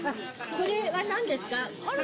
これはなんですか？